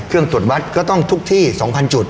เครื่องตรวจวัตรก็ต้องทุกที่๒๐๐๐จุด